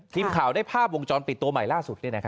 ทีมข่าวได้ภาพวงจรปิดตัวใหม่ล่าสุด